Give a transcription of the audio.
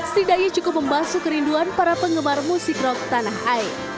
setidaknya cukup membasu kerinduan para penggemar musik rock tanah air